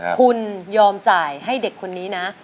คุณยอมจ่ายให้เด็กคนนี้นะ